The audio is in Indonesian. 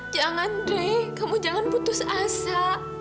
jangan deh kamu jangan putus asa